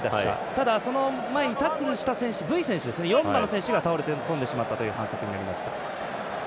ただ、その前にタックルした選手４番の選手が倒れ込んでしまったという反則になりました。